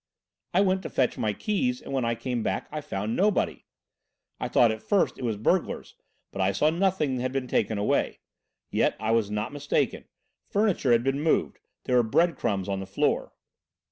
"I went to fetch my keys and when I came back I found nobody! I thought at first it was burglars, but I saw nothing had been taken away. Yet, I was not mistaken, furniture had been moved. There were bread crumbs on the floor."